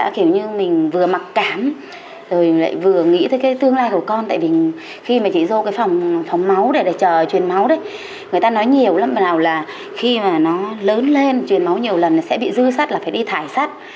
khi nó lớn lên chuyển máu nhiều lần sẽ bị dư sắt là phải đi thải sát